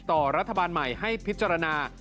ต่อรัฐบาลใหม่ให้พิจารณา